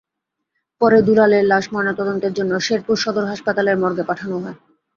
পরে দুলালের লাশ ময়নাতদন্তের জন্য শেরপুর সদর হাসপাতালের মর্গে পাঠানো হয়।